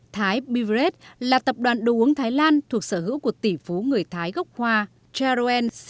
thái bivret là tập đoàn đồ uống thái lan thuộc sở hữu của tỷ phú người thái gốc hoa charoen sidivat hanna brady